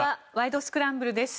スクランブル」です。